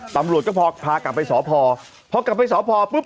ตำรวจก็พอพากลับไปสอบพอเพราะกลับไปสอบพอปุ๊บ